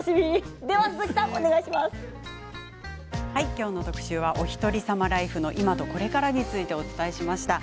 今日の特集はおひとりさまライフの今とこれからについてお伝えしました。